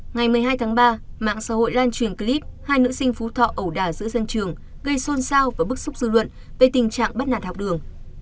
ngày một mươi hai tháng ba mạng xã hội lan truyền clip hai nữ sinh phú thọ ẩu đả giữa sân trường gây xôn xao và bức xúc dư luận về tình trạng bắt nạt học đường